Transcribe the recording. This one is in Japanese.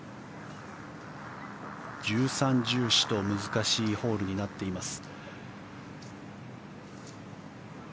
１３、１４と難しいホールになっています。